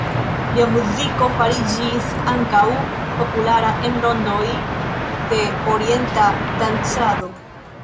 Lia muziko fariĝis ankaŭ populara en rondoj de orienta dancado.